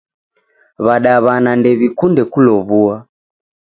W'adaw'ana ndew'ikunde kulow'ua.